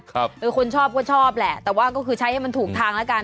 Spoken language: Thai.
คือคนชอบก็ชอบแหละแต่ว่าก็คือใช้ให้มันถูกทางแล้วกัน